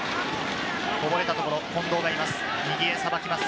こぼれたところ、近藤がいます。